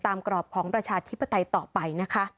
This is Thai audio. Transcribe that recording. กรอบของประชาธิปไตยต่อไปนะคะ